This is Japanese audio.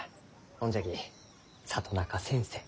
ほんじゃき里中先生